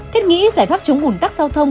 thích nghĩ giải pháp chống hùn tắc giao thông